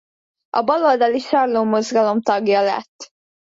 A baloldali Sarló Mozgalom tagja lett.